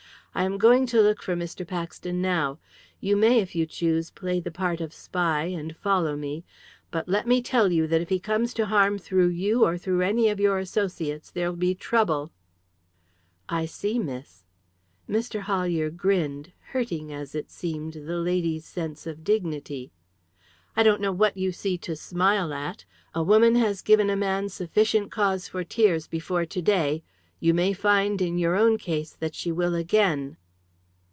"I am going to look for Mr. Paxton now. You may, if you choose, play the part of spy, and follow me; but let me tell you that if he comes to harm through you, or through any of your associates, there'll be trouble." "I see, miss." Mr. Hollier grinned, hurting, as it seemed, the lady's sense of dignity. "I don't know what you see to smile at. A woman has given a man sufficient cause for tears before to day. You may find, in your own case, that she will again."